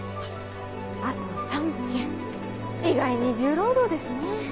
あと３件意外に重労働ですね。